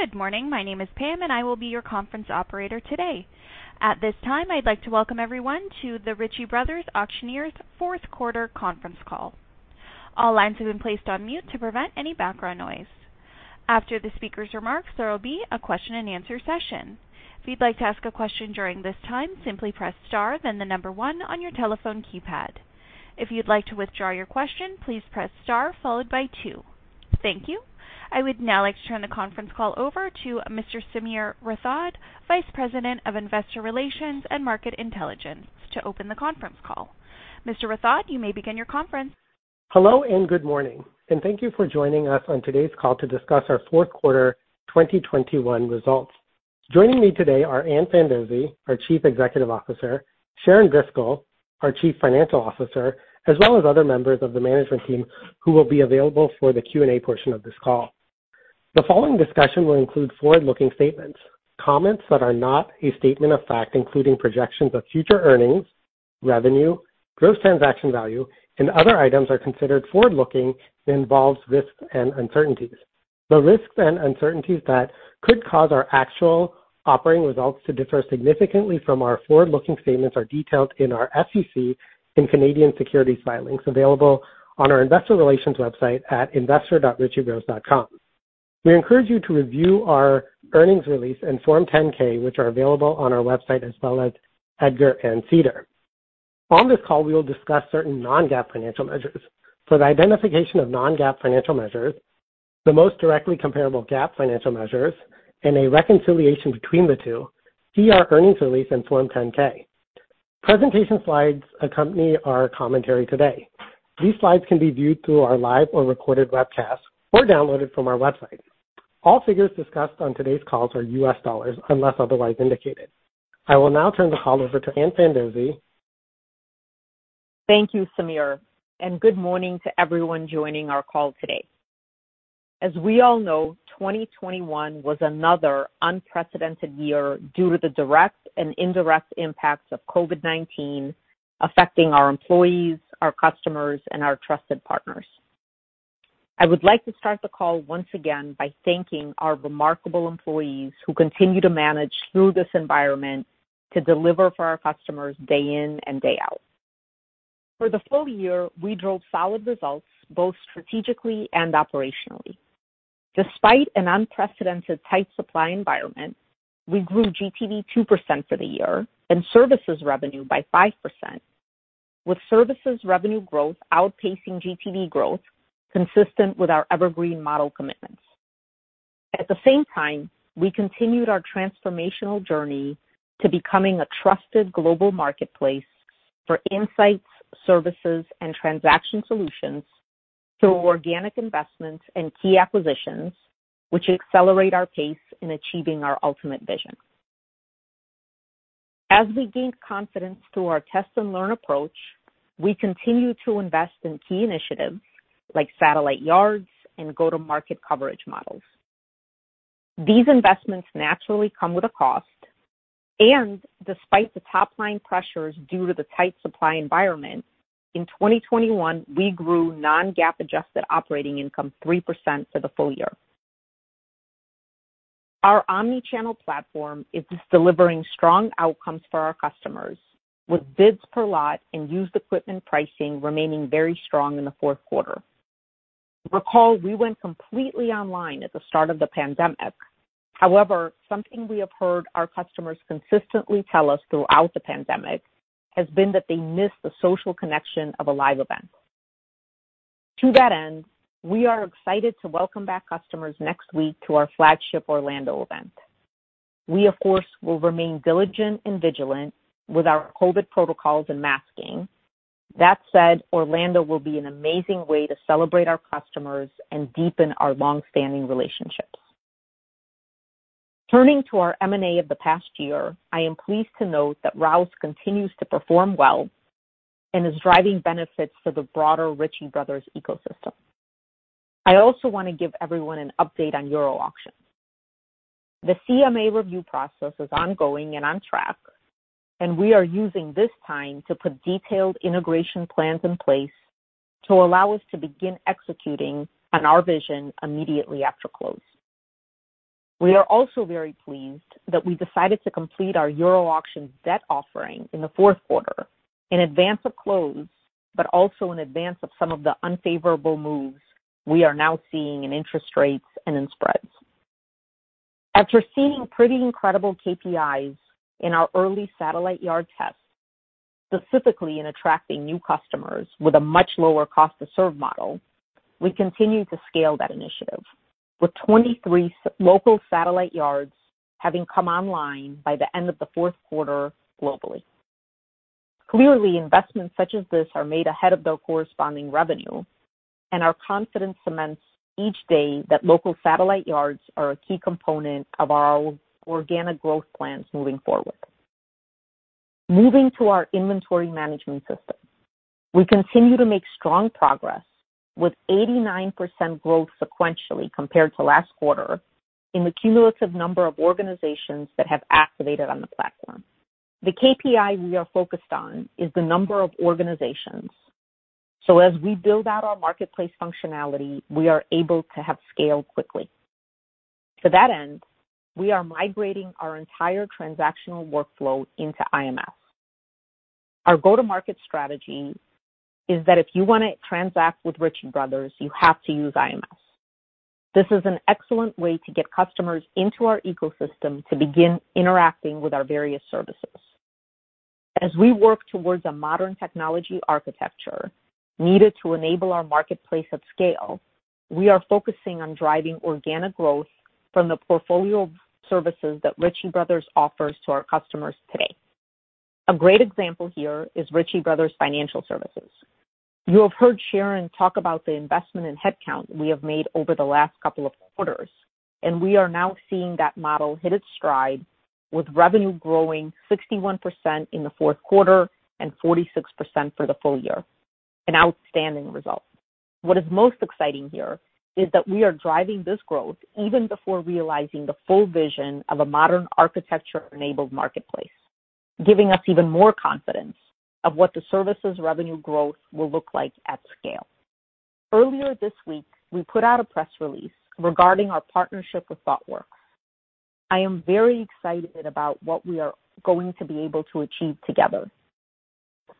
Good morning. My name is Pam, and I will be your conference operator today. At this time, I'd like to welcome everyone to the Ritchie Bros. Auctioneers fourth quarter conference call. All lines have been placed on mute to prevent any background noise. After the speaker's remarks, there will be a question-and-answer session. If you'd like to ask a question during this time, simply press star then the number one on your telephone keypad. If you'd like to withdraw your question, please press star followed by two. Thank you. I would now like to turn the conference call over to Mr. Sameer Rathod, Vice President of Investor Relations and Market Intelligence to open the conference call. Mr. Rathod, you may begin your conference call. Hello, and good morning, and thank you for joining us on today's call to discuss our fourth quarter 2021 results. Joining me today are Ann Fandozzi, our Chief Executive Officer, Sharon Driscoll, our Chief Financial Officer, as well as other members of the management team who will be available for the Q&A portion of this call. The following discussion will include forward-looking statements. Comments that are not a statement of fact, including projections of future earnings, revenue, gross transaction value, and other items are considered forward-looking and involves risks and uncertainties. The risks and uncertainties that could cause our actual operating results to differ significantly from our forward-looking statements are detailed in our SEC and Canadian securities filings available on our investor relations website at investor.ritchiebros.com. We encourage you to review our earnings release and Form 10-K, which are available on our website as well as EDGAR and SEDAR. On this call, we will discuss certain non-GAAP financial measures. For the identification of non-GAAP financial measures, the most directly comparable GAAP financial measures, and a reconciliation between the two, see our earnings release and Form 10-K. Presentation slides accompany our commentary today. These slides can be viewed through our live or recorded webcast or downloaded from our website. All figures discussed on today's calls are U.S. dollars unless otherwise indicated. I will now turn the call over to Ann Fandozzi. Thank you, Sameer, and good morning to everyone joining our call today. As we all know, 2021 was another unprecedented year due to the direct and indirect impacts of COVID-19 affecting our employees, our customers, and our trusted partners. I would like to start the call once again by thanking our remarkable employees who continue to manage through this environment to deliver for our customers day in and day out. For the full year, we drove solid results both strategically and operationally. Despite an unprecedented tight supply environment, we grew GTV 2% for the year and services revenue by 5%, with services revenue growth outpacing GTV growth consistent with our evergreen model commitments. At the same time, we continued our transformational journey to becoming a trusted global marketplace for insights, services, and transaction solutions through organic investments and key acquisitions which accelerate our pace in achieving our ultimate vision. As we gain confidence through our test-and-learn approach, we continue to invest in key initiatives like satellite yards and go-to-market coverage models. These investments naturally come with a cost, and despite the top-line pressures due to the tight supply environment, in 2021, we grew non-GAAP adjusted operating income 3% for the full year. Our omni-channel platform is delivering strong outcomes for our customers with bids per lot and used equipment pricing remaining very strong in the fourth quarter. Recall, we went completely online at the start of the pandemic. However, something we have heard our customers consistently tell us throughout the pandemic has been that they miss the social connection of a live event. To that end, we are excited to welcome back customers next week to our flagship Orlando event. We of course will remain diligent and vigilant with our COVID protocols and masking. That said, Orlando will be an amazing way to celebrate our customers and deepen our long-standing relationships. Turning to our M&A of the past year, I am pleased to note that Rouse continues to perform well and is driving benefits for the broader Ritchie Bros. ecosystem. I also want to give everyone an update on Euro Auctions. The CMA review process is ongoing and on track, and we are using this time to put detailed integration plans in place to allow us to begin executing on our vision immediately after close. We are also very pleased that we decided to complete our Euro Auctions debt offering in the fourth quarter in advance of close but also in advance of some of the unfavorable moves we are now seeing in interest rates and in spreads. After seeing pretty incredible KPIs in our early satellite yard tests, specifically in attracting new customers with a much lower cost to serve model, we continue to scale that initiative, with 23 local satellite yards having come online by the end of the fourth quarter globally. Clearly, investments such as this are made ahead of their corresponding revenue, and our confidence cements each day that local satellite yards are a key component of our organic growth plans moving forward. Moving to our inventory management system, we continue to make strong progress with 89% growth sequentially compared to last quarter in the cumulative number of organizations that have activated on the platform. The KPI we are focused on is the number of organizations. As we build out our marketplace functionality, we are able to have scale quickly. To that end, we are migrating our entire transactional workflow into IMS. Our go-to-market strategy is that if you want to transact with Ritchie Brothers, you have to use IMS. This is an excellent way to get customers into our ecosystem to begin interacting with our various services. As we work towards a modern technology architecture needed to enable our marketplace at scale, we are focusing on driving organic growth from the portfolio of services that Ritchie Brothers offers to our customers today. A great example here is Ritchie Brothers Financial Services. You have heard Sharon talk about the investment in headcount we have made over the last couple of quarters, and we are now seeing that model hit its stride, with revenue growing 61% in the fourth quarter and 46% for the full year. An outstanding result. What is most exciting here is that we are driving this growth even before realizing the full vision of a modern architecture-enabled marketplace, giving us even more confidence of what the services revenue growth will look like at scale. Earlier this week, we put out a press release regarding our partnership with Thoughtworks. I am very excited about what we are going to be able to achieve together.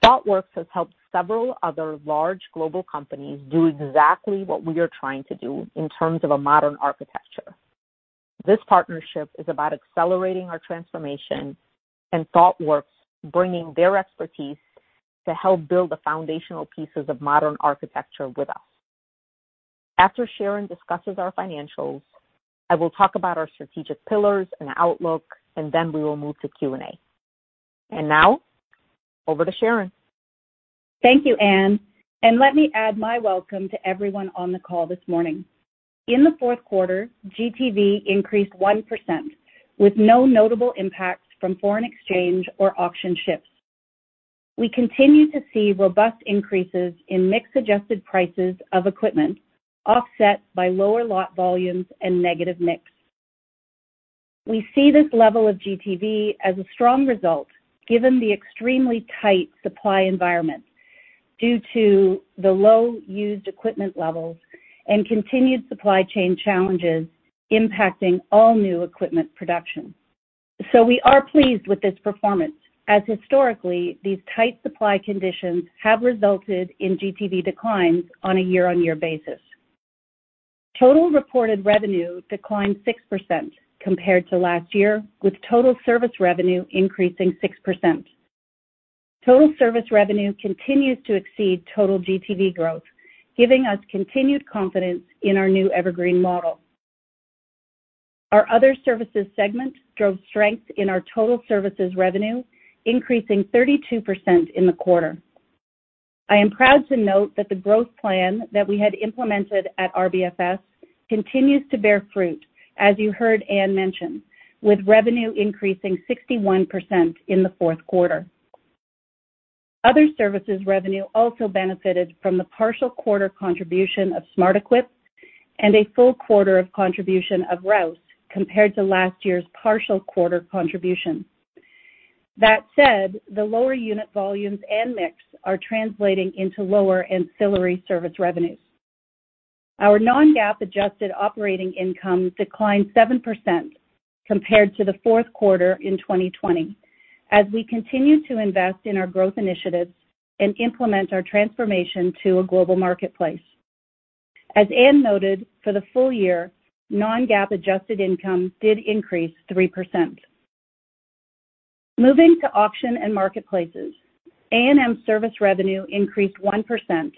Thoughtworks has helped several other large global companies do exactly what we are trying to do in terms of a modern architecture. This partnership is about accelerating our transformation and Thoughtworks bringing their expertise to help build the foundational pieces of modern architecture with us. After Sharon discusses our financials, I will talk about our strategic pillars and outlook, and then we will move to Q&A. Now, over to Sharon. Thank you, Ann, and let me add my welcome to everyone on the call this morning. In the fourth quarter, GTV increased 1%, with no notable impacts from foreign exchange or auction shifts. We continue to see robust increases in mix-adjusted prices of equipment offset by lower lot volumes and negative mix. We see this level of GTV as a strong result given the extremely tight supply environment due to the low used equipment levels and continued supply chain challenges impacting all new equipment production. We are pleased with this performance as historically, these tight supply conditions have resulted in GTV declines on a year-on-year basis. Total reported revenue declined 6% compared to last year, with total service revenue increasing 6%. Total service revenue continues to exceed total GTV growth, giving us continued confidence in our new evergreen model. Our Other Services segment drove strength in our total services revenue, increasing 32% in the quarter. I am proud to note that the growth plan that we had implemented at RBFS continues to bear fruit, as you heard Ann mention, with revenue increasing 61% in the fourth quarter. Other Services revenue also benefited from the partial quarter contribution of SmartEquip and a full quarter of contribution of Rouse compared to last year's partial quarter contribution. That said, the lower unit volumes and mix are translating into lower ancillary service revenues. Our non-GAAP adjusted operating income declined 7% compared to the fourth quarter in 2020 as we continue to invest in our growth initiatives and implement our transformation to a global marketplace. As Ann noted, for the full year, non-GAAP adjusted income did increase 3%. Moving to auction and marketplaces, A&M service revenue increased 1%,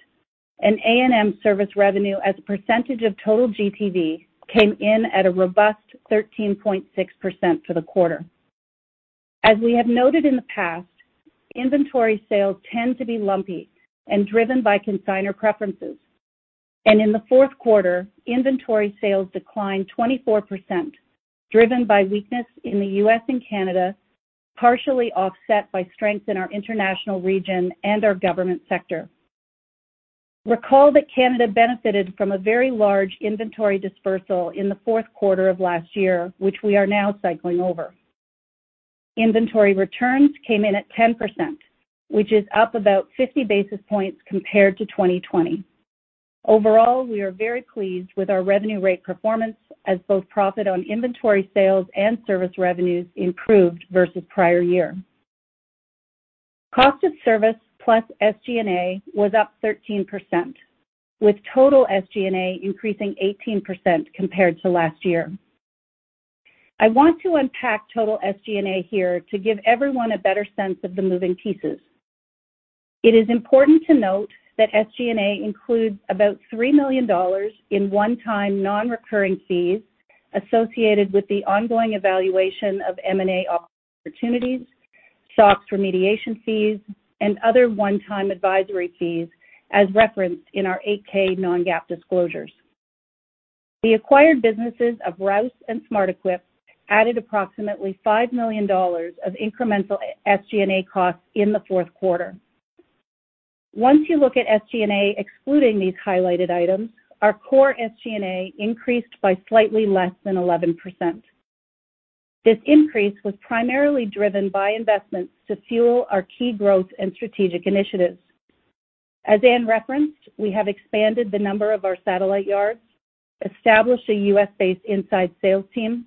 and A&M service revenue as a percentage of total GTV came in at a robust 13.6% for the quarter. As we have noted in the past, inventory sales tend to be lumpy and driven by consignor preferences. In the fourth quarter, inventory sales declined 24%, driven by weakness in the U.S. and Canada, partially offset by strength in our international region and our government sector. Recall that Canada benefited from a very large inventory dispersal in the fourth quarter of last year, which we are now cycling over. Inventory returns came in at 10%, which is up about 50 basis points compared to 2020. Overall, we are very pleased with our revenue rate performance as both profit on inventory sales and service revenues improved versus prior year. Cost of service plus SG&A was up 13%, with total SG&A increasing 18% compared to last year. I want to unpack total SG&A here to give everyone a better sense of the moving pieces. It is important to note that SG&A includes about $3 million in one-time non-recurring fees associated with the ongoing evaluation of M&A opportunities, SOX remediation fees, and other one-time advisory fees as referenced in our 8-K non-GAAP disclosures. The acquired businesses of Rouse and SmartEquip added approximately $5 million of incremental SG&A costs in the fourth quarter. Once you look at SG&A excluding these highlighted items, our core SG&A increased by slightly less than 11%. This increase was primarily driven by investments to fuel our key growth and strategic initiatives. As Ann referenced, we have expanded the number of our satellite yards, established a U.S.-based inside sales team,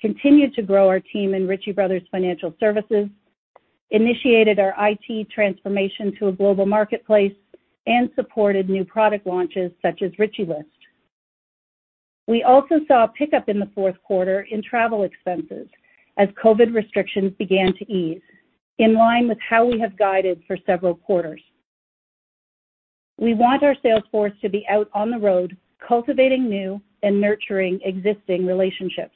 continued to grow our team in Ritchie Bros. Financial Services, initiated our IT transformation to a global marketplace, and supported new product launches such as RitchieList. We also saw a pickup in the fourth quarter in travel expenses as COVID restrictions began to ease, in line with how we have guided for several quarters. We want our sales force to be out on the road, cultivating new and nurturing existing relationships.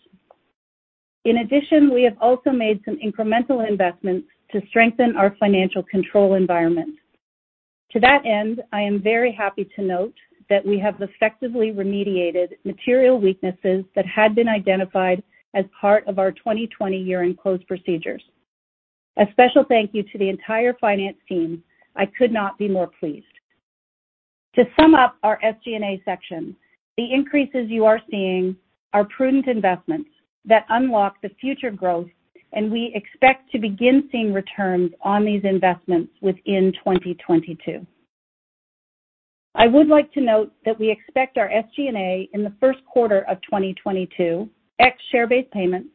In addition, we have also made some incremental investments to strengthen our financial control environment. To that end, I am very happy to note that we have effectively remediated material weaknesses that had been identified as part of our 2020 year-end close procedures. A special thank you to the entire finance team. I could not be more pleased. To sum up our SG&A section, the increases you are seeing are prudent investments that unlock the future growth, and we expect to begin seeing returns on these investments within 2022. I would like to note that we expect our SG&A in the first quarter of 2022, ex share-based payments,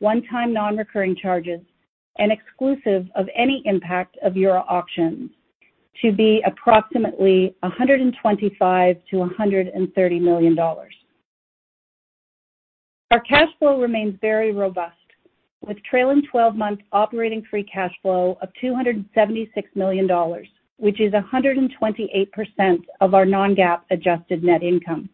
one-time non-recurring charges, and exclusive of any impact of Euro Auctions, to be approximately $125 million-$130 million. Our cash flow remains very robust, with trailing twelve-month operating free cash flow of $276 million, which is 128% of our non-GAAP adjusted net income.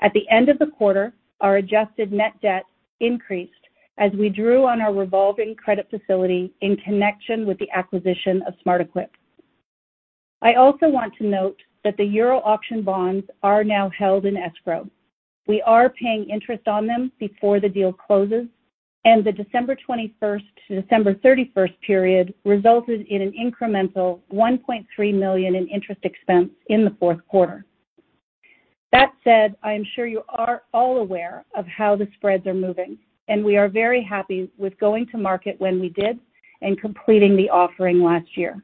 At the end of the quarter, our adjusted net debt increased as we drew on our revolving credit facility in connection with the acquisition of SmartEquip. I also want to note that the Euro Auctions bonds are now held in escrow. We are paying interest on them before the deal closes, and the December 21 to December 31 period resulted in an incremental $1.3 million in interest expense in the fourth quarter. That said, I am sure you are all aware of how the spreads are moving, and we are very happy with going to market when we did and completing the offering last year.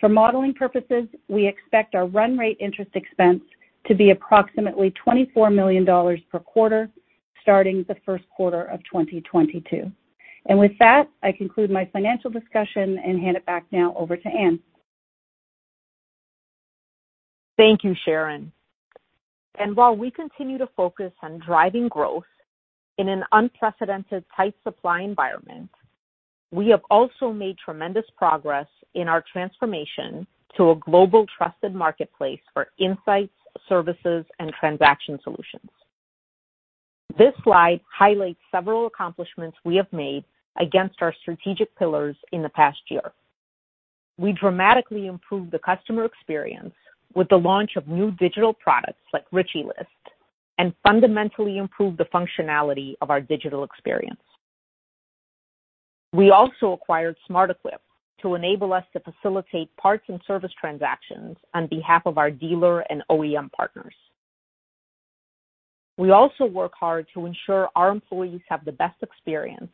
For modeling purposes, we expect our run rate interest expense to be approximately $24 million per quarter starting the first quarter of 2022. With that, I conclude my financial discussion and hand it back now over to Ann. Thank you, Sharon. While we continue to focus on driving growth in an unprecedented tight supply environment, we have also made tremendous progress in our transformation to a global trusted marketplace for insights, services, and transaction solutions. This slide highlights several accomplishments we have made against our strategic pillars in the past year. We dramatically improved the customer experience with the launch of new digital products like RitchieList and fundamentally improved the functionality of our digital experience. We also acquired SmartEquip to enable us to facilitate parts and service transactions on behalf of our dealer and OEM partners. We also work hard to ensure our employees have the best experience,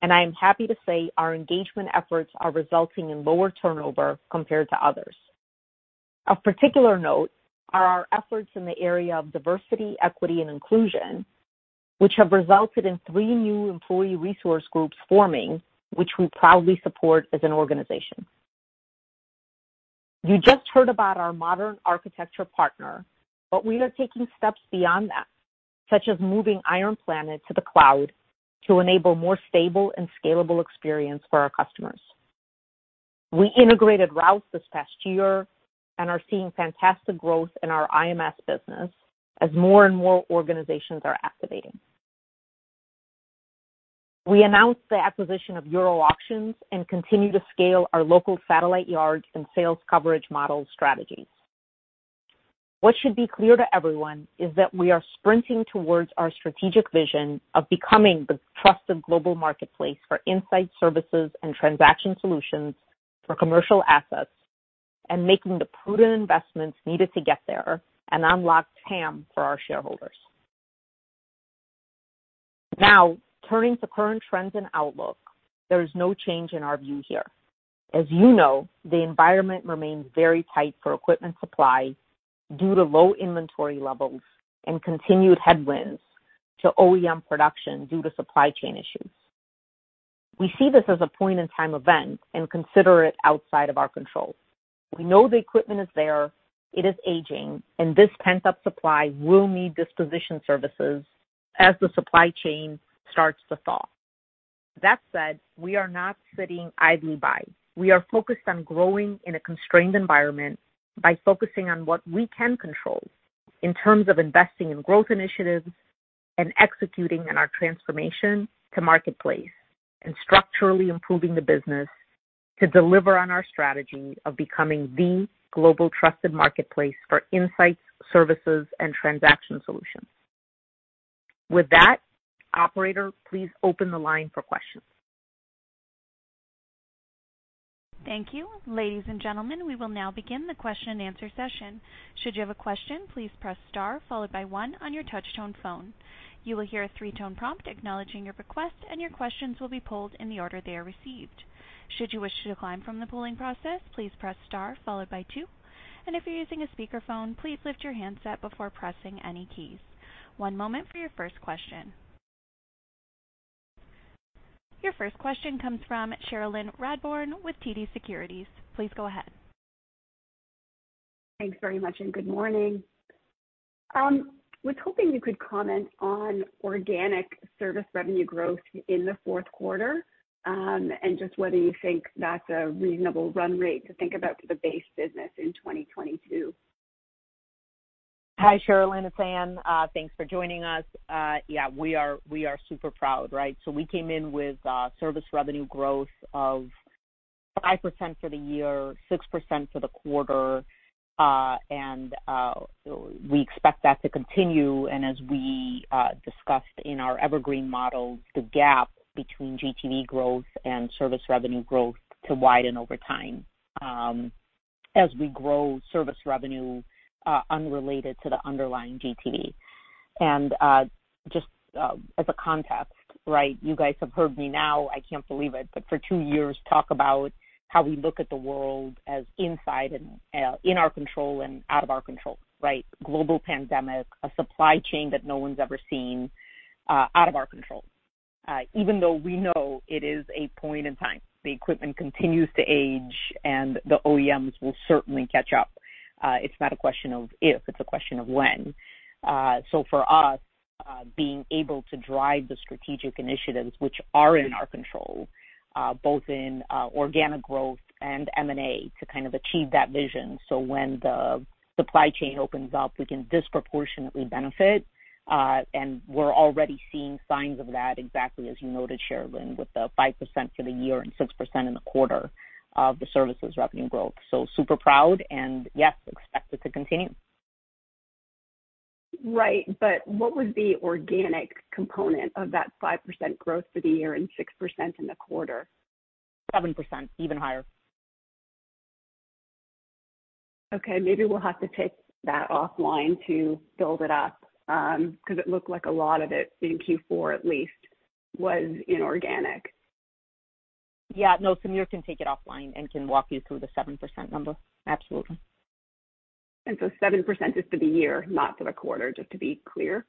and I am happy to say our engagement efforts are resulting in lower turnover compared to others. Of particular note are our efforts in the area of diversity, equity, and inclusion, which have resulted in three new employee resource groups forming, which we proudly support as an organization. You just heard about our modern architecture partner, but we are taking steps beyond that, such as moving IronPlanet to the cloud to enable more stable and scalable experience for our customers. We integrated Rouse this past year and are seeing fantastic growth in our IMS business as more and more organizations are activating. We announced the acquisition of Euro Auctions and continue to scale our local satellite yards and sales coverage model strategies. What should be clear to everyone is that we are sprinting towards our strategic vision of becoming the trusted global marketplace for insight services and transaction solutions for commercial assets and making the prudent investments needed to get there and unlock TAM for our shareholders. Now, turning to current trends and outlook, there is no change in our view here. As you know, the environment remains very tight for equipment supply due to low inventory levels and continued headwinds to OEM production due to supply chain issues. We see this as a point-in-time event and consider it outside of our control. We know the equipment is there, it is aging, and this pent-up supply will need disposition services as the supply chain starts to thaw. That said, we are not sitting idly by. We are focused on growing in a constrained environment by focusing on what we can control in terms of investing in growth initiatives and executing on our transformation to marketplace and structurally improving the business to deliver on our strategy of becoming the global trusted marketplace for insights, services, and transaction solutions. With that, operator, please open the line for questions. Thank you. Ladies and gentlemen, we will now begin the question and answer session. Should you have a question, please press star followed by one on your touchtone phone. You will hear a three-tone prompt acknowledging your request, and your questions will be pulled in the order they are received. Should you wish to decline from the polling process, please press star followed by two. If you're using a speakerphone, please lift your handset before pressing any keys. One moment for your first question. Your first question comes from Cherilyn Radbourne with TD Securities. Please go ahead. Thanks very much, and good morning. I was hoping you could comment on organic service revenue growth in the fourth quarter, and just whether you think that's a reasonable run rate to think about for the base business in 2022. Hi, Cherilyn. It's Ann. Thanks for joining us. Yeah, we are super proud, right? We came in with service revenue growth of 5% for the year, 6% for the quarter. We expect that to continue, and as we discussed in our evergreen model, the gap between GTV growth and service revenue growth to widen over time, as we grow service revenue unrelated to the underlying GTV. Just as a context, right, you guys have heard me now. I can't believe it, but for two years talk about how we look at the world as inside and in our control and out of our control, right? Global pandemic, a supply chain that no one's ever seen, out of our control. Even though we know it is a point in time, the equipment continues to age, and the OEMs will certainly catch up. It's not a question of if, it's a question of when. For us, being able to drive the strategic initiatives which are in our control, both in organic growth and M&A to kind of achieve that vision. When the supply chain opens up, we can disproportionately benefit, and we're already seeing signs of that exactly as you noted, Cherilyn, with the 5% for the year and 6% in the quarter of the services revenue growth. Super proud and yes, expect it to continue. Right. What was the organic component of that 5% growth for the year and 6% in the quarter? 7%, even higher. Okay. Maybe we'll have to take that offline to build it up, 'cause it looked like a lot of it, in Q4 at least, was inorganic. Yeah. No, Sameer can take it offline and can walk you through the 7% number. Absolutely. 7% is for the year, not for the quarter, just to be clear?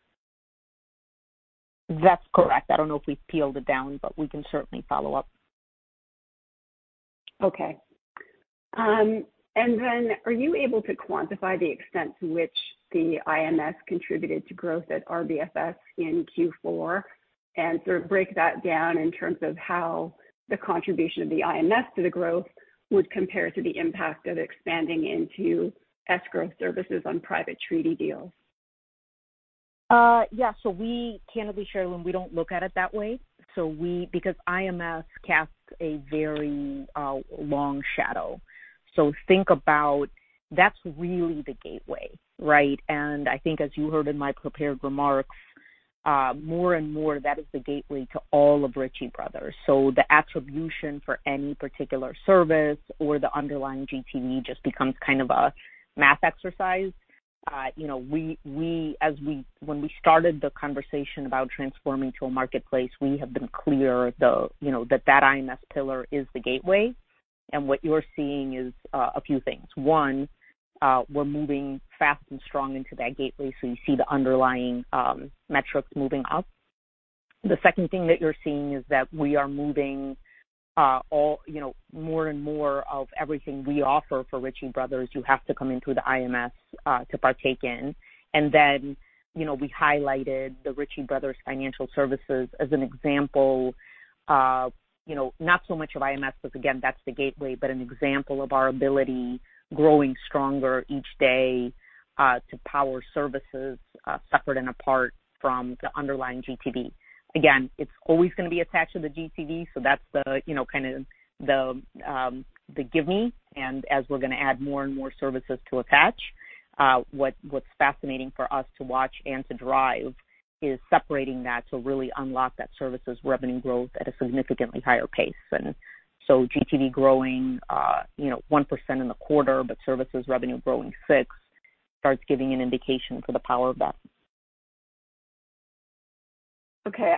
That's correct. I don't know if we've peeled it down, but we can certainly follow up. Okay. Are you able to quantify the extent to which the IMS contributed to growth at RBFS in Q4 and break that down in terms of how the contribution of the IMS to the growth would compare to the impact of expanding into escrow services on private treaty deals? Yeah. We candidly, Cherilyn, we don't look at it that way. Because IMS casts a very long shadow. Think about that's really the gateway, right? I think as you heard in my prepared remarks, more and more, that is the gateway to all of Ritchie Brothers. The attribution for any particular service or the underlying GTV just becomes kind of a math exercise. You know, we as we when we started the conversation about transforming to a marketplace, we have been clear, you know, that IMS pillar is the gateway. What you're seeing is a few things. One, we're moving fast and strong into that gateway, so you see the underlying metrics moving up. The second thing that you're seeing is that we are moving all, you know, more and more of everything we offer for Ritchie Bros., you have to come in through the IMS to partake in. Then, you know, we highlighted the Ritchie Bros. Financial Services as an example of, you know, not so much of IMS, because again, that's the gateway, but an example of our ability growing stronger each day to power services separate and apart from the underlying GTV. Again, it's always gonna be attached to the GTV, so that's the, you know, kind of the given. As we're gonna add more and more services to attach, what's fascinating for us to watch and to drive is separating that to really unlock that services revenue growth at a significantly higher pace. GTV growing, you know, 1% in the quarter, but services revenue growing 6% starts giving an indication for the power of that. Okay.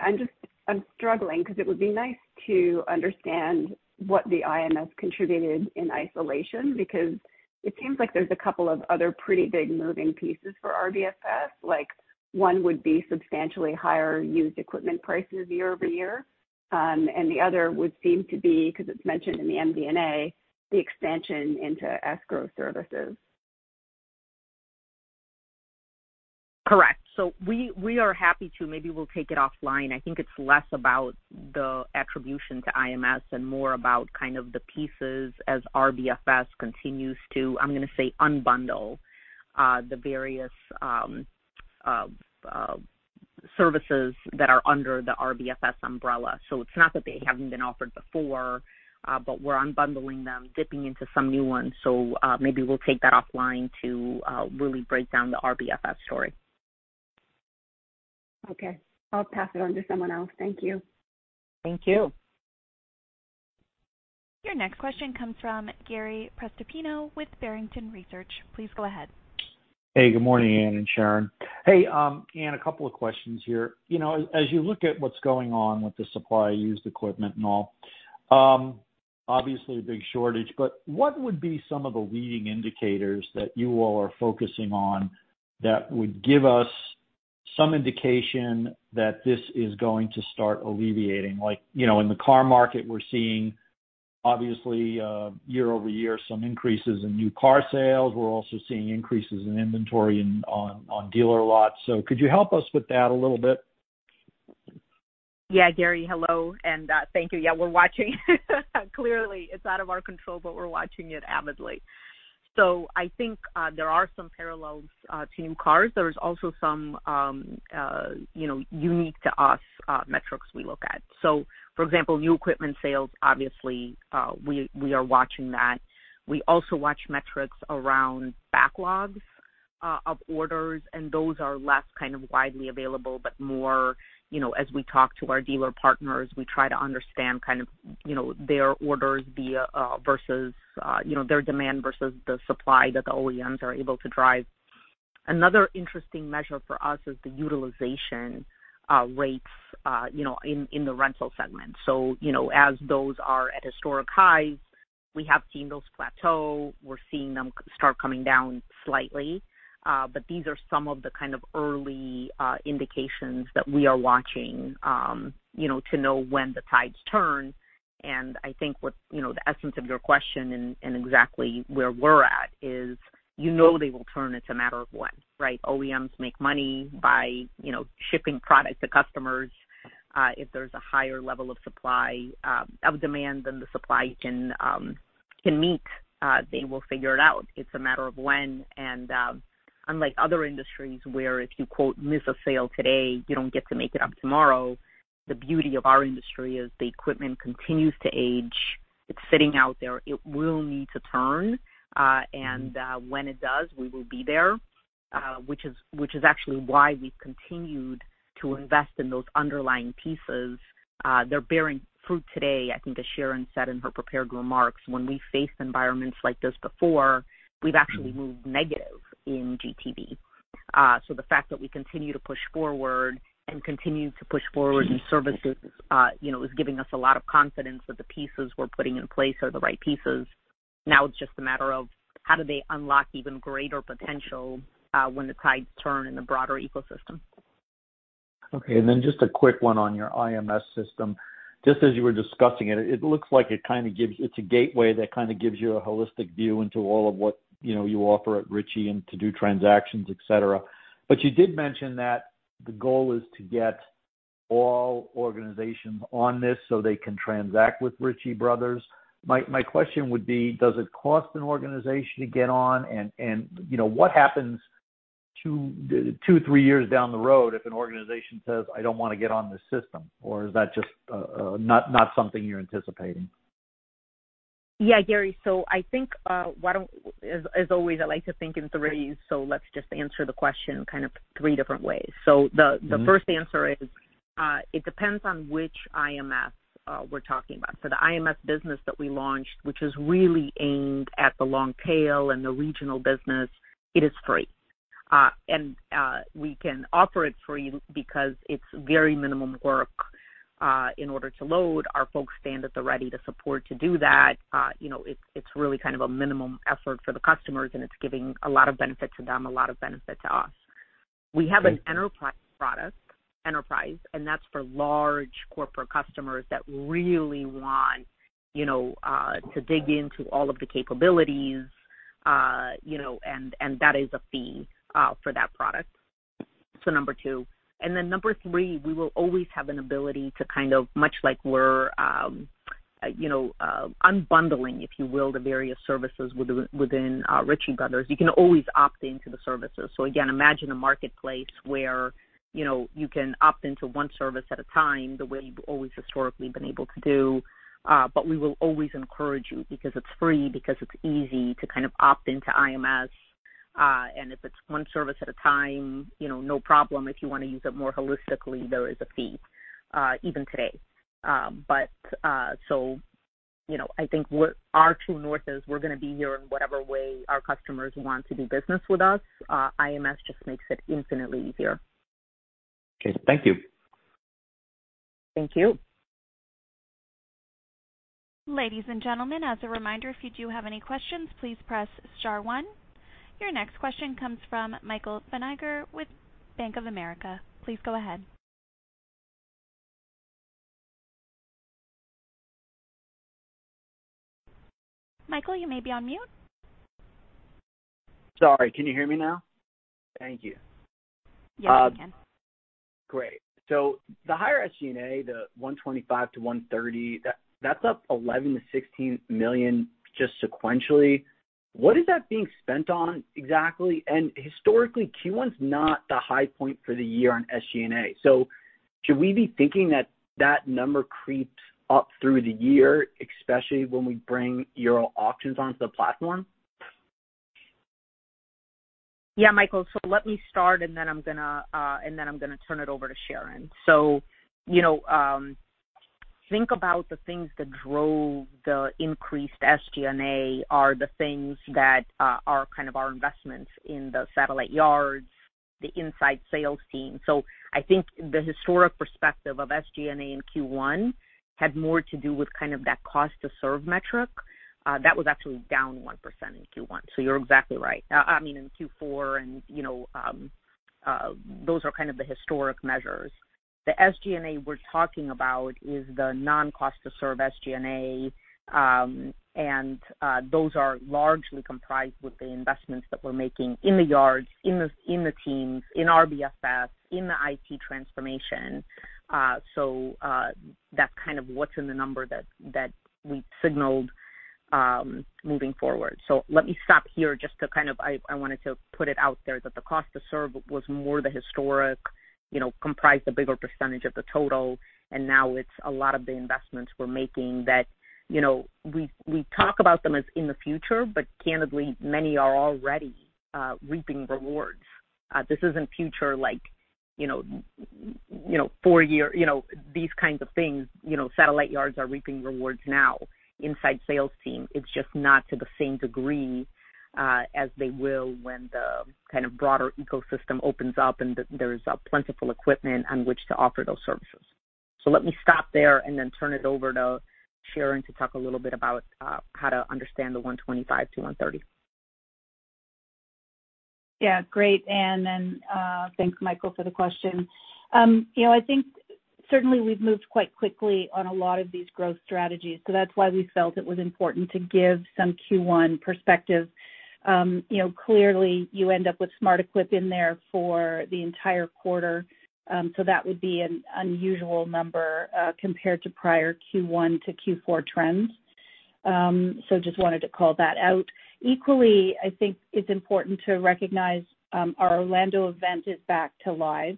I'm struggling 'cause it would be nice to understand what the IMS contributed in isolation because it seems like there's a couple of other pretty big moving pieces for RBFS. Like, one would be substantially higher used equipment prices year over year. The other would seem to be, 'cause it's mentioned in the MD&A, the expansion into escrow services. Correct. We are happy to, maybe we'll take it offline. I think it's less about the attribution to IMS and more about kind of the pieces as RBFS continues to, I'm gonna say, unbundle the various services that are under the RBFS umbrella. It's not that they haven't been offered before, but we're unbundling them, dipping into some new ones. Maybe we'll take that offline to really break down the RBFS story. Okay. I'll pass it on to someone else. Thank you. Thank you. Your next question comes from Gary Prestopino with Barrington Research. Please go ahead. Hey, good morning, Ann and Sharon. Hey, Ann, a couple of questions here. You know, as you look at what's going on with the supply of used equipment and all, obviously a big shortage, but what would be some of the leading indicators that you all are focusing on that would give us some indication that this is going to start alleviating. Like, you know, in the car market, we're seeing obviously year-over-year some increases in new car sales. We're also seeing increases in inventory on dealer lots. Could you help us with that a little bit? Yeah. Gary, hello. Thank you. Yeah, we're watching. Clearly, it's out of our control, but we're watching it avidly. I think there are some parallels to new cars. There is also some unique to us metrics we look at. For example, new equipment sales, obviously, we are watching that. We also watch metrics around backlogs of orders, and those are less kind of widely available, but more you know as we talk to our dealer partners, we try to understand kind of you know their orders vis-à-vis you know their demand versus the supply that the OEMs are able to drive. Another interesting measure for us is the utilization rates you know in the rental segment. You know as those are at historic highs, we have seen those plateau. We're seeing them start coming down slightly. These are some of the kind of early indications that we are watching, you know, to know when the tides turn. I think what's, you know, the essence of your question and exactly where we're at is, you know they will turn. It's a matter of when, right? OEMs make money by, you know, shipping product to customers. If there's a higher level of demand than the supply can meet, they will figure it out. It's a matter of when and unlike other industries where if you quote, "miss a sale today," you don't get to make it up tomorrow. The beauty of our industry is the equipment continues to age. It's sitting out there. It will need to turn. When it does, we will be there, which is actually why we've continued to invest in those underlying pieces. They're bearing fruit today. I think as Sharon said in her prepared remarks, when we faced environments like this before, we've actually moved negative in GTV. The fact that we continue to push forward in services, you know, is giving us a lot of confidence that the pieces we're putting in place are the right pieces. Now it's just a matter of how do they unlock even greater potential, when the tides turn in the broader ecosystem. Okay. Then just a quick one on your IMS system. Just as you were discussing it looks like it's a gateway that kinda gives you a holistic view into all of what, you know, you offer at Ritchie Bros. and to do transactions, et cetera. You did mention that the goal is to get all organizations on this so they can transact with Ritchie Bros. My question would be, does it cost an organization to get on? And you know, what happens 2-3 years down the road if an organization says, "I don't wanna get on this system," or is that just not something you're anticipating? Yeah, Gary. I think as always, I like to think in threes, so let's just answer the question kind of three different ways. The first answer is, it depends on which IMS we're talking about. The IMS business that we launched, which is really aimed at the long tail and the regional business, it is free. We can offer it free because it's very minimum work in order to load. Our folks stand at the ready to support to do that. You know, it's really kind of a minimum effort for the customers, and it's giving a lot of benefit to them, a lot of benefit to us. Great. We have an enterprise product, enterprise, and that's for large corporate customers that really want, you know, to dig into all of the capabilities, you know, and that is a fee for that product. Number two. Then number three, we will always have an ability to kind of much like we're unbundling, if you will, the various services within Ritchie Brothers. You can always opt into the services. Again, imagine a marketplace where, you know, you can opt into one service at a time, the way you've always historically been able to do. But we will always encourage you because it's free, because it's easy to kind of opt into IMS. And if it's one service at a time, you know, no problem. If you wanna use it more holistically, there is a fee, even today. You know, I think our true north is we're gonna be here in whatever way our customers want to do business with us. IMS just makes it infinitely easier. Okay. Thank you. Thank you. Ladies and gentlemen, as a reminder, if you do have any questions, please press star one. Your next question comes from Michael Feniger with Bank of America. Please go ahead. Michael, you may be on mute. Sorry. Can you hear me now? Thank you. Yes, we can. Great. The higher SG&A, the $125 million-$130 million, that's up $11 million-$16 million just sequentially. What is that being spent on exactly? Historically, Q1's not the high point for the year on SG&A. Should we be thinking that number creeps up through the year, especially when we bring your auctions onto the platform? Yeah, Michael. Let me start, and then I'm gonna turn it over to Sharon. You know, think about the things that drove the increased SG&A are the things that are kind of our investments in the satellite yards, the inside sales team. I think the historic perspective of SG&A in Q1 had more to do with kind of that cost to serve metric. That was actually down 1% in Q1, so you're exactly right. I mean, in Q4, and you know, those are kind of the historic measures. The SG&A we're talking about is the non-cost to serve SG&A. Those are largely comprised with the investments that we're making in the yards, in the teams, in RBFS, in the IT transformation. That's kind of what's in the number that we signaled moving forward. Let me stop here. I wanted to put it out there that the cost to serve was more the historic, you know, comprised a bigger percentage of the total, and now it's a lot of the investments we're making that, you know, we talk about them as in the future, but candidly, many are already reaping rewards. This isn't future like, you know, four year, you know, these kinds of things. You know, satellite yards are reaping rewards now. Inside sales team, it's just not to the same degree, as they will when the kind of broader ecosystem opens up and there is plentiful equipment on which to offer those services. Let me stop there and then turn it over to Sharon to talk a little bit about how to understand the $125-$130. Yeah. Great, Ann, and thanks, Michael, for the question. You know, I think certainly we've moved quite quickly on a lot of these growth strategies, so that's why we felt it was important to give some Q1 perspective. You know, clearly you end up with SmartEquip in there for the entire quarter, so that would be an unusual number compared to prior Q1 to Q4 trends. So just wanted to call that out. Equally, I think it's important to recognize our Orlando event is back to live,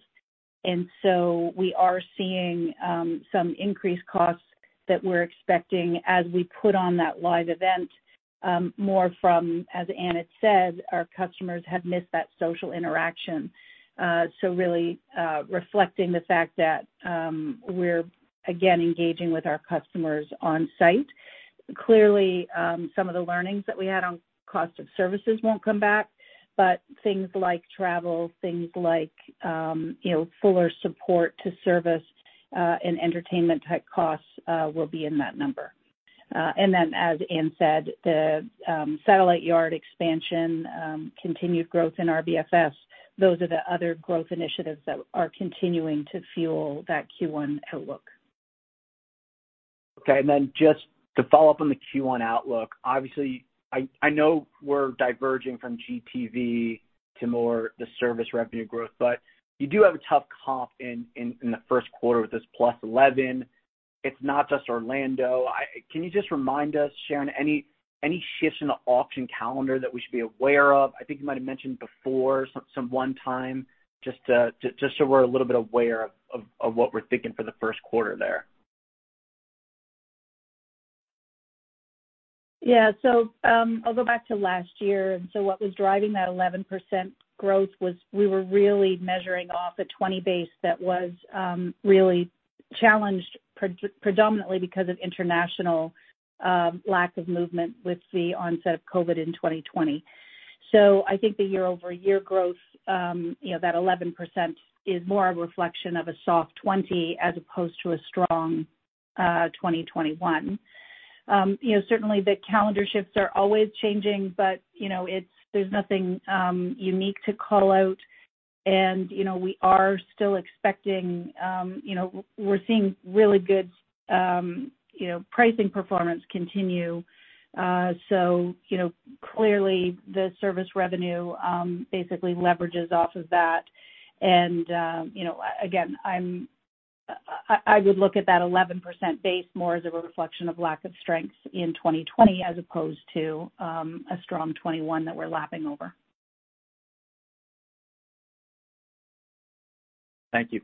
and so we are seeing some increased costs that we're expecting as we put on that live event, more from, as Ann had said, our customers have missed that social interaction. Really reflecting the fact that we're again engaging with our customers on site. Clearly, some of the learnings that we had on cost of services won't come back, but things like travel, things like, you know, fuller support to service, and entertainment type costs, will be in that number, as Ann said, the satellite yard expansion, continued growth in RBFS, those are the other growth initiatives that are continuing to fuel that Q1 outlook. Okay, just to follow up on the Q1 outlook. Obviously, I know we're diverging from GTV to more, the service revenue growth, but you do have a tough comp in the first quarter with this +11%. It's not just Orlando. Can you just remind us, Sharon, any shifts in the auction calendar that we should be aware of? I think you might have mentioned before some one-time, just so we're a little bit aware of what we're thinking for the first quarter there. Yeah. I'll go back to last year. What was driving that 11% growth was we were really measuring off a 2020 base that was really challenged predominantly because of international lack of movement with the onset of COVID in 2020. I think the year-over-year growth, you know, that 11% is more a reflection of a soft 2020 as opposed to a strong 2021. You know, certainly the calendar shifts are always changing, but, you know, it's, there's nothing unique to call out. You know, we are still expecting, you know. We're seeing really good, you know, pricing performance continue. You know, clearly the service revenue basically leverages off of that. You know, again, I would look at that 11% base more as a reflection of lack of strength in 2020 as opposed to a strong 2021 that we're lapping over. Thank you.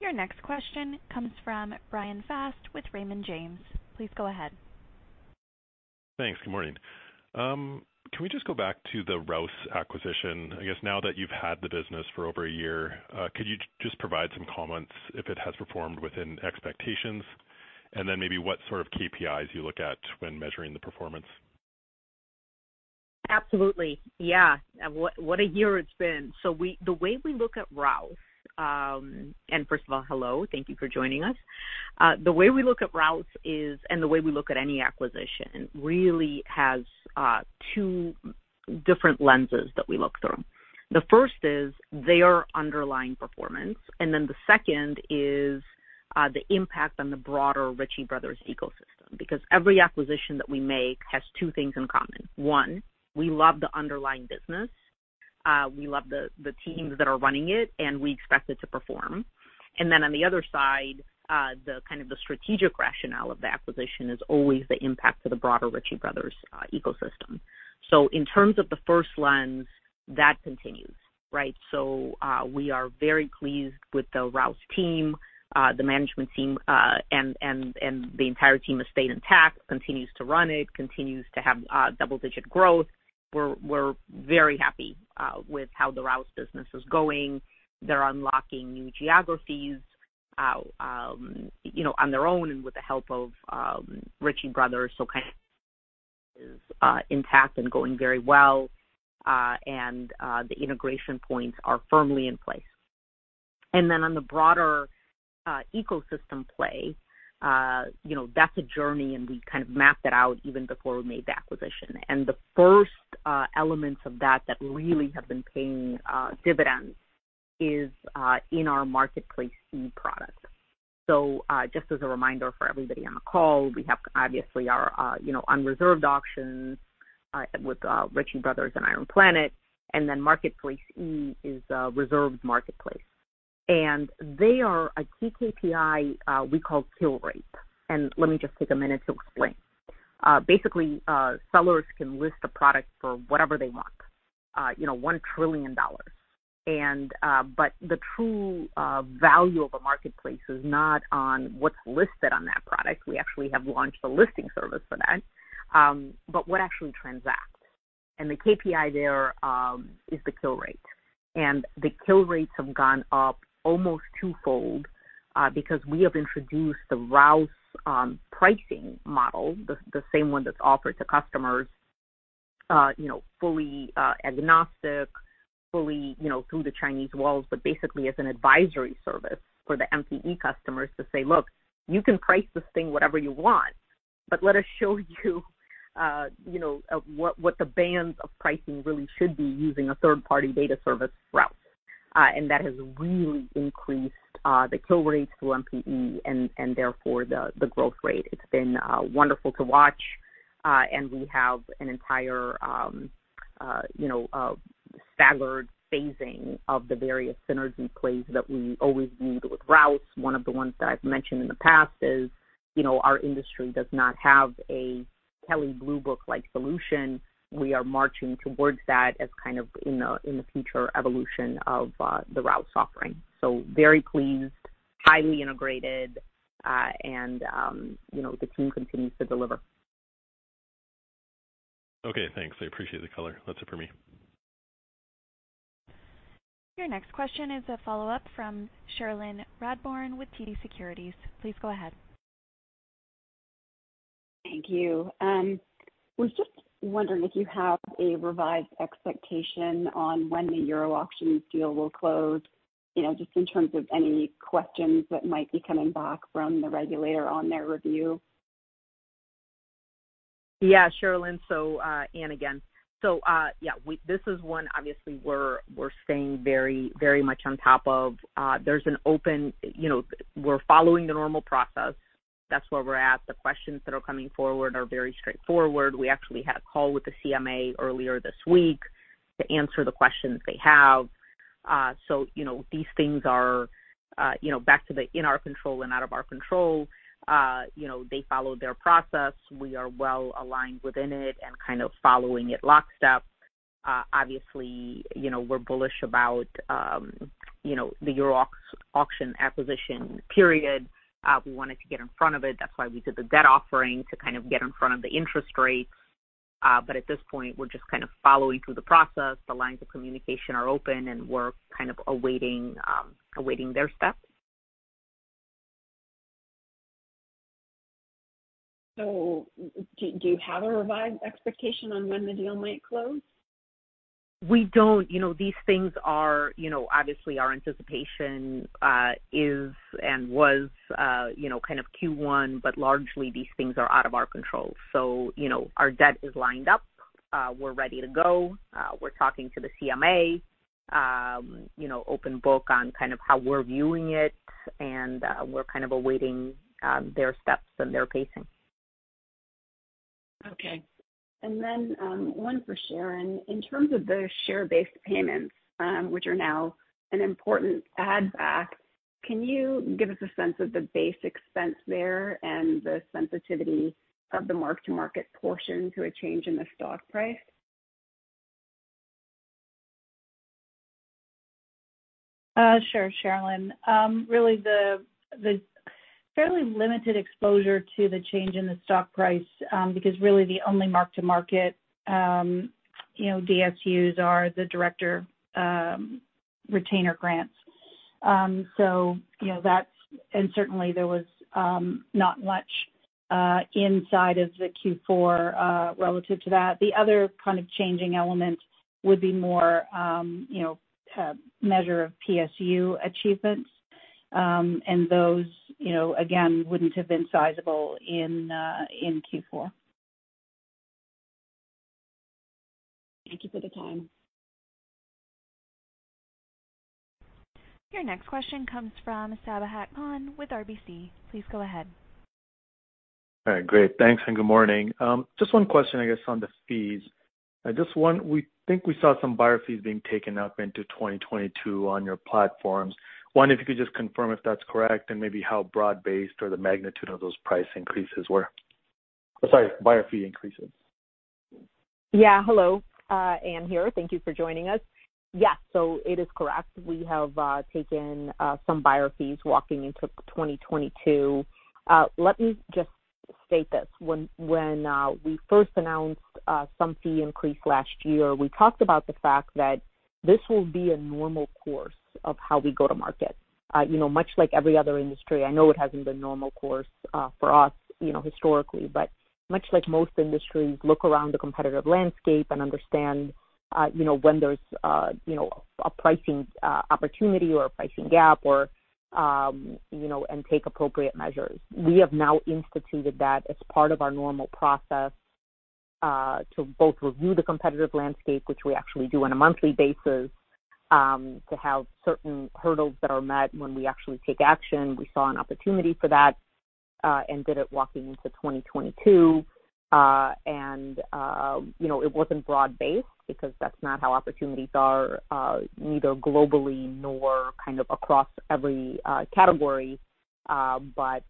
Your next question comes from Bryan Fast with Raymond James. Please go ahead. Thanks. Good morning. Can we just go back to the Rouse acquisition? I guess now that you've had the business for over a year, could you just provide some comments if it has performed within expectations? Then maybe what sort of KPIs you look at when measuring the performance. Absolutely. Yeah. What a year it's been. The way we look at Rouse, and first of all, hello, thank you for joining us. The way we look at Rouse is, and the way we look at any acquisition really has two different lenses that we look through. The first is their underlying performance, and then the second is the impact on the broader Ritchie Brothers ecosystem. Because every acquisition that we make has two things in common. One, we love the underlying business. We love the teams that are running it, and we expect it to perform. Then on the other side, the kind of the strategic rationale of the acquisition is always the impact to the broader Ritchie Brothers ecosystem. In terms of the first lens, that continues. Right. We are very pleased with the Rouse team, the management team, and the entire team has stayed intact, continues to run it, continues to have double-digit growth. We're very happy with how the Rouse business is going. They're unlocking new geographies, you know, on their own and with the help of Ritchie Bros. It kind of is intact and going very well, and the integration points are firmly in place. On the broader ecosystem play, you know, that's a journey, and we kind of mapped it out even before we made the acquisition. The first elements of that that really have been paying dividends is in our Marketplace-E product. Just as a reminder for everybody on the call, we have obviously our, you know, unreserved auctions with Ritchie Brothers and IronPlanet, and then Marketplace E is a reserved marketplace. They are a key KPI we call fill rate. Let me just take a minute to explain. Basically, sellers can list a product for whatever they want, you know, $1 trillion. But the true value of a marketplace is not on what's listed on that product. We actually have launched a listing service for that, but what actually transacts. The KPI there is the fill rate. The fill rates have gone up almost twofold, because we have introduced the Rouse pricing model, the same one that's offered to customers, you know, fully agnostic, fully, you know, through the Chinese walls, but basically as an advisory service for the MPE customers to say, "Look, you can price this thing whatever you want, but let us show you know, what the bands of pricing really should be using a third-party data service, Rouse." And that has really increased the fill rates through MPE and therefore the growth rate. It's been wonderful to watch, and we have an entire, you know, staggered phasing of the various synergy plays that we always viewed with Rouse. One of the ones that I've mentioned in the past is, you know, our industry does not have a Kelley Blue Book-like solution. We are marching towards that as kind of in the future evolution of the Rouse offering. Very pleased, highly integrated, and you know, the team continues to deliver. Okay, thanks. I appreciate the color. That's it for me. Your next question is a follow-up from Cherilyn Radbourne with TD Securities. Please go ahead. Thank you. I was just wondering if you have a revised expectation on when the Euro Auctions deal will close, you know, just in terms of any questions that might be coming back from the regulator on their review. Yeah, Cherilyn. Ann again. This is one obviously we're staying very, very much on top of. There's an open you know we're following the normal process. That's where we're at. The questions that are coming forward are very straightforward. We actually had a call with the CMA earlier this week to answer the questions they have. You know, these things are you know back to the things in our control and out of our control. You know, they follow their process. We are well aligned within it and kind of following it lockstep. Obviously, you know, we're bullish about you know the Euro Auctions acquisition. We wanted to get in front of it. That's why we did the debt offering to kind of get in front of the interest rates. At this point, we're just kind of following through the process. The lines of communication are open, and we're kind of awaiting their steps. Do you have a revised expectation on when the deal might close? We don't. These things are, you know, obviously our anticipation is and was, you know, kind of Q1, but largely these things are out of our control. You know, our debt is lined up. We're ready to go. We're talking to the CMA open book on kind of how we're viewing it, and, we're kind of awaiting their steps and their pacing. Okay. One for Sharon. In terms of the share-based payments, which are now an important add back, can you give us a sense of the base expense there and the sensitivity of the mark-to-market portion to a change in the stock price? Sure, Sherlyn. Really the fairly limited exposure to the change in the stock price, because really the only mark-to-market, you know, DSUs are the director retainer grants. So you know, that's, and certainly there was not much inside of the Q4 relative to that. The other kind of changing element would be more, you know, measure of PSU achievements, and those, you know, again, wouldn't have been sizable in Q4. Thank you for the time. Your next question comes from Sabahat Khan with RBC. Please go ahead. All right. Great. Thanks, and good morning. Just one question, I guess, on the fees. Just one, we think we saw some buyer fees being taken up into 2022 on your platforms. One, if you could just confirm if that's correct and maybe how broad-based or the magnitude of those price increases were. Oh, sorry, buyer fee increases. Yeah. Hello, Ann here. Thank you for joining us. Yeah. So it is correct. We have taken some buyer fees walking into 2022. Let me just state this. When we first announced some fee increase last year, we talked about the fact that this will be a normal course of how we go to market. You know, much like every other industry, I know it hasn't been normal course for us, you know, historically, but much like most industries look around the competitive landscape and understand, you know, when there's a pricing opportunity or a pricing gap or, you know, and take appropriate measures. We have now instituted that as part of our normal process, to both review the competitive landscape, which we actually do on a monthly basis, to have certain hurdles that are met when we actually take action. We saw an opportunity for that, and did it walking into 2022. You know, it wasn't broad-based because that's not how opportunities are, neither globally nor kind of across every category, but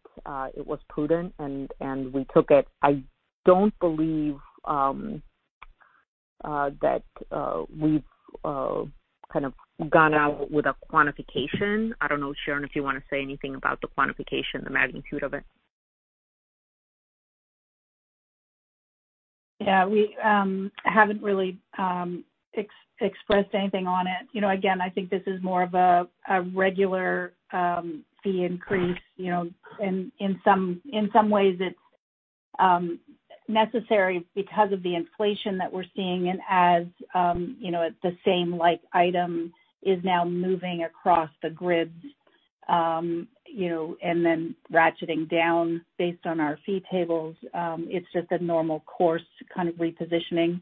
it was prudent and we took it. I don't believe that we've kind of gone out with a quantification. I don't know, Sharon, if you wanna say anything about the quantification, the magnitude of it. Yeah. We haven't really expressed anything on it. You know, again, I think this is more of a regular fee increase, you know, and in some ways it's necessary because of the inflation that we're seeing. As you know, the same like item is now moving across the grid, you know, and then ratcheting down based on our fee tables, it's just a normal course kind of repositioning.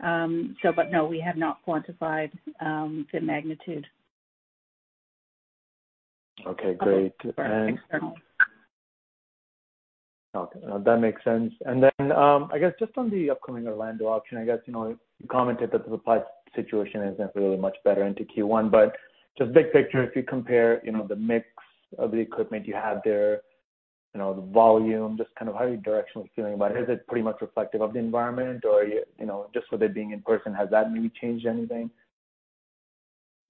But no, we have not quantified the magnitude. Okay, great. Okay. No, that makes sense. I guess just on the upcoming Orlando auction, I guess, you know, you commented that the supply situation isn't really much better into Q1. Just big picture, if you compare, you know, the mix of the equipment you have there, you know, the volume, just kind of how are you directionally feeling about it? Is it pretty much reflective of the environment? You know, just with it being in person, has that maybe changed anything?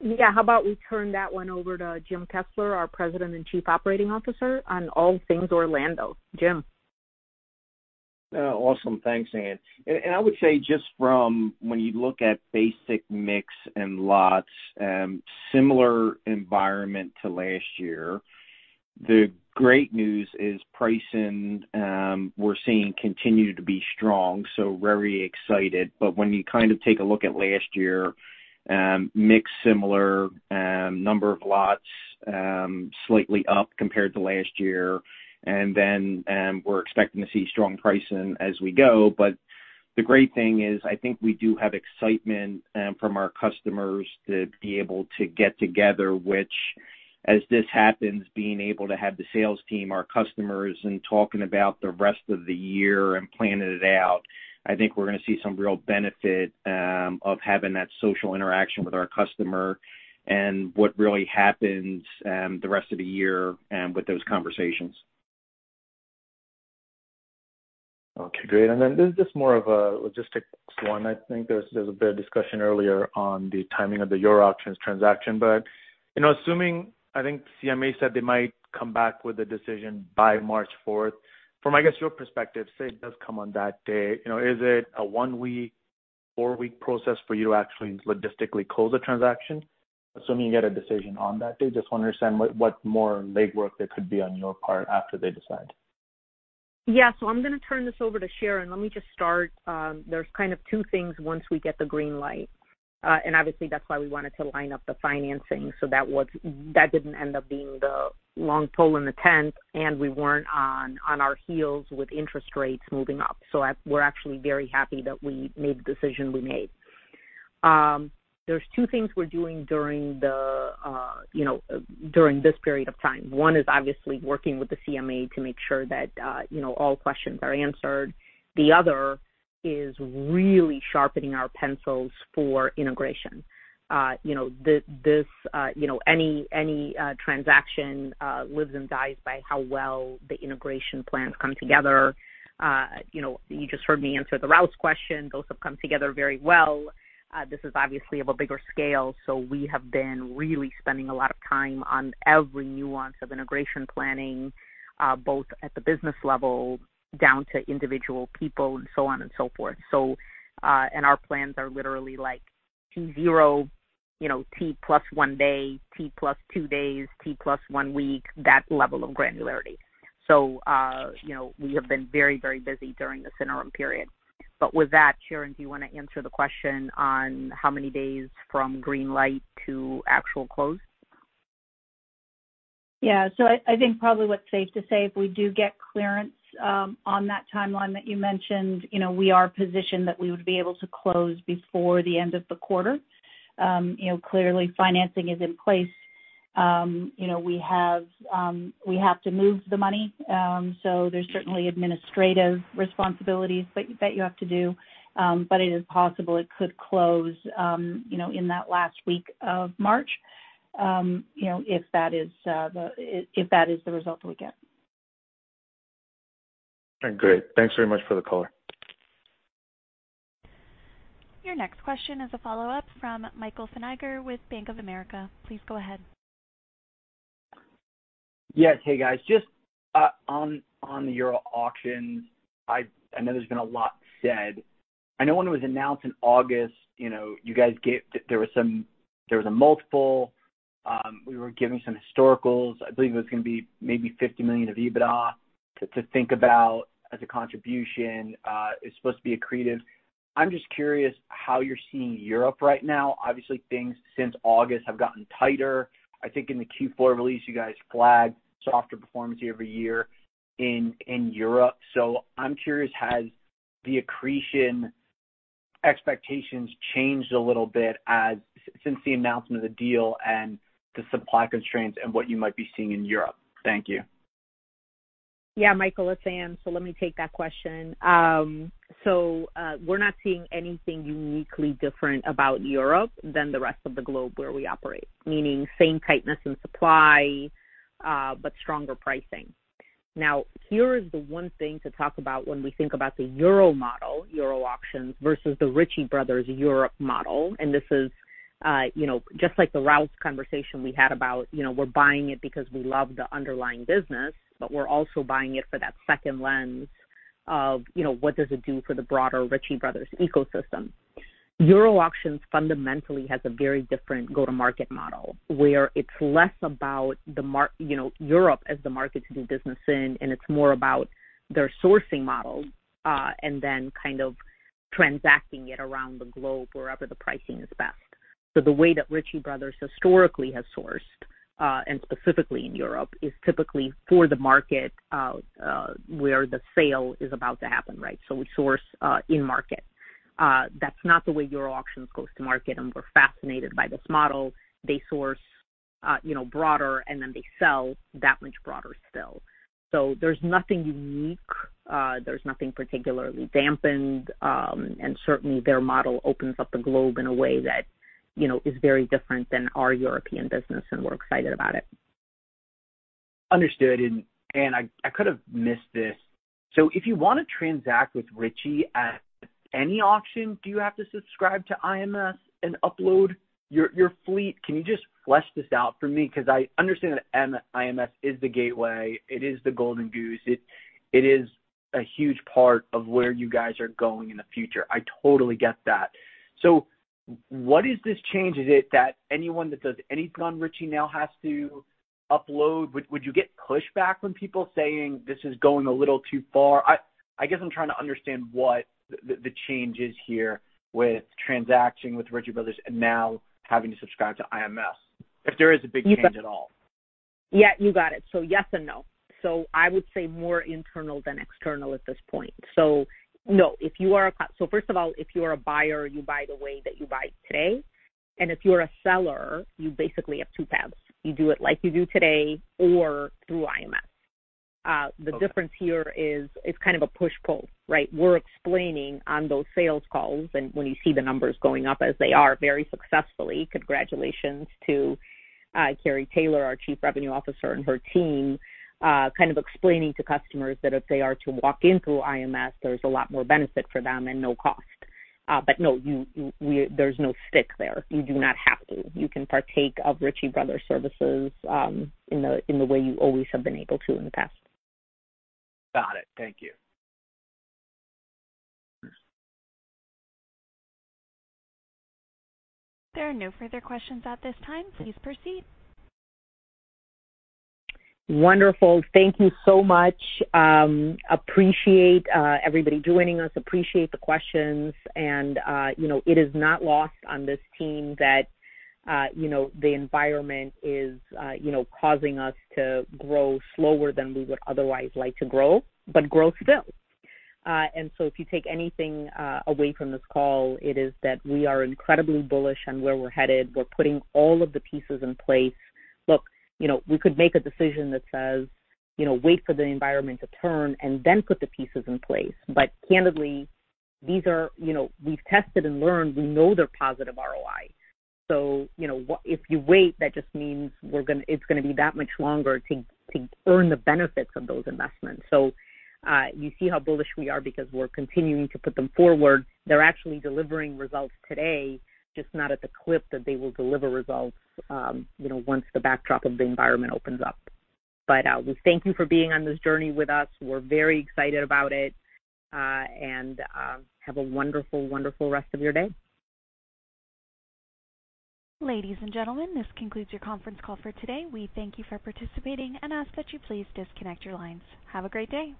Yeah. How about we turn that one over to Jim Kessler, our President and Chief Operating Officer, on all things Orlando. Jim. Awesome. Thanks, Ann. I would say just from when you look at basic mix and lots, similar environment to last year, the great news is pricing, we're seeing continue to be strong, so very excited. When you kind of take a look at last year, mix similar, number of lots slightly up compared to last year. We're expecting to see strong pricing as we go. The great thing is, I think we do have excitement from our customers to be able to get together, which as this happens, being able to have the sales team, our customers, and talking about the rest of the year and planning it out, I think we're gonna see some real benefit of having that social interaction with our customer and what really happens the rest of the year with those conversations. Okay, great. Then this is more of a logistics one. I think there's a bit of discussion earlier on the timing of the Euro Auctions transaction. You know, assuming, I think CMA said they might come back with a decision by March fourth. From, I guess, your perspective, say it does come on that day, you know, is it a 1-week, 4-week process for you to actually logistically close the transaction, assuming you get a decision on that day? Just wanna understand what more legwork there could be on your part after they decide. Yeah. I'm gonna turn this over to Sharon. Let me just start. There's kind of two things once we get the green light. Obviously that's why we wanted to line up the financing. That didn't end up being the long pole in the tent, and we weren't on our heels with interest rates moving up. We're actually very happy that we made the decision we made. There's two things we're doing during this period of time. One is obviously working with the CMA to make sure that all questions are answered. The other is really sharpening our pencils for integration. Any transaction lives and dies by how well the integration plans come together. You know, you just heard me answer the Rouse question. Those have come together very well. This is obviously of a bigger scale, so we have been really spending a lot of time on every nuance of integration planning, both at the business level down to individual people and so on and so forth. You know, we have been very, very busy during this interim period. With that, Sharon, do you wanna answer the question on how many days from green light to actual close? Yeah. I think probably what's safe to say, if we do get clearance on that timeline that you mentioned, you know, we are positioned that we would be able to close before the end of the quarter. You know, clearly financing is in place. You know, we have to move the money. There's certainly administrative responsibilities that you have to do. It is possible it could close, you know, in that last week of March. You know, if that is the result we get. Great. Thanks very much for the color. Your next question is a follow-up from Michael Feniger with Bank of America. Please go ahead. Yes. Hey, guys. Just on the Euro Auctions, I know there's been a lot said. I know when it was announced in August, you know, you guys gave a multiple. We were given some historicals. I believe it was going to be maybe $50 million of EBITDA to think about as a contribution. It's supposed to be accretive. I'm just curious how you're seeing Europe right now. Obviously, things since August have gotten tighter. I think in the Q4 release, you guys flagged softer performance year-over-year in Europe. I'm curious, has the accretion expectations changed a little bit since the announcement of the deal and the supply constraints and what you might be seeing in Europe? Thank you. Yeah, Michael, it's Ann. Let me take that question. We're not seeing anything uniquely different about Europe than the rest of the globe where we operate. Meaning same tightness in supply, but stronger pricing. Now, here is the one thing to talk about when we think about the Euro model, Euro Auctions versus the Ritchie Brothers Europe model. This is, you know, just like the Rouse conversation we had about, you know, we're buying it because we love the underlying business, but we're also buying it for that second lens of, you know, what does it do for the broader Ritchie Brothers ecosystem. Euro Auctions fundamentally has a very different go-to-market model, where it's less about you know, Europe as the market to do business in, and it's more about their sourcing model, and then kind of transacting it around the globe wherever the pricing is best. The way that Ritchie Bros. historically has sourced, and specifically in Europe, is typically for the market, where the sale is about to happen, right? We source in-market. That's not the way Euro Auctions goes to market, and we're fascinated by this model. They source, you know, broader, and then they sell that much broader still. There's nothing unique. There's nothing particularly dampened. Certainly their model opens up the globe in a way that, you know, is very different than our European business, and we're excited about it. Understood. Ann, I could have missed this. If you want to transact with Ritchie Bros. at any auction, do you have to subscribe to IMS and upload your fleet? Can you just flesh this out for me? Because I understand that IMS is the gateway. It is the golden goose. It is a huge part of where you guys are going in the future. I totally get that. What is this change? Is it that anyone that does anything on Ritchie Bros. now has to upload? Would you get pushback from people saying this is going a little too far? I guess I'm trying to understand what the change is here with transacting with Ritchie Bros. and now having to subscribe to IMS, if there is a big change at all. Yeah, you got it. Yes and no. I would say more internal than external at this point. No, first of all, if you are a buyer, you buy the way that you buy today. If you're a seller, you basically have two paths. You do it like you do today or through IMS. The difference here is it's kind of a push-pull, right? We're explaining on those sales calls, and when you see the numbers going up as they are very successfully. Congratulations to Kari Taylor, our Chief Revenue Officer, and her team kind of explaining to customers that if they are to walk in through IMS, there's a lot more benefit for them and no cost. But no, you we there's no stick there. You do not have to. You can partake of Ritchie Bros. services in the way you always have been able to in the past. Got it. Thank you. There are no further questions at this time. Please proceed. Wonderful. Thank you so much. Appreciate everybody joining us, appreciate the questions. You know, it is not lost on this team that, you know, the environment is, you know, causing us to grow slower than we would otherwise like to grow, but grow still. If you take anything away from this call, it is that we are incredibly bullish on where we're headed. We're putting all of the pieces in place. Look, you know, we could make a decision that says, you know, wait for the environment to turn and then put the pieces in place. Candidly, these are, you know, we've tested and learned, we know they're positive ROI. You know, if you wait, that just means it's gonna be that much longer to earn the benefits of those investments. You see how bullish we are because we're continuing to put them forward. They're actually delivering results today, just not at the clip that they will deliver results, you know, once the backdrop of the environment opens up. We thank you for being on this journey with us. We're very excited about it, and have a wonderful rest of your day. Ladies and gentlemen, this concludes your conference call for today. We thank you for participating and ask that you please disconnect your lines. Have a great day.